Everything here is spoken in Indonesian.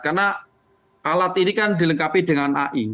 karena alat ini kan dilengkapi dengan ai